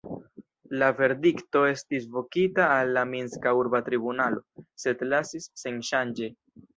La verdikto estis vokita al la Minska urba tribunalo, sed lasis senŝanĝe.